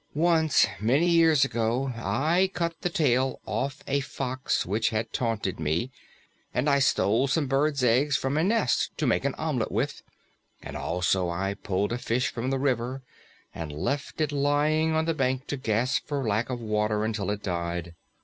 "Once, many years ago, I cut the tail off a fox which had taunted me, and I stole some birds' eggs from a nest to make an omelet with, and also I pulled a fish from the river and left it lying on the bank to gasp for lack of water until it died.